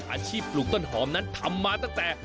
อาชีพปลูกต้นหอมนั้นทำมาตั้งแต่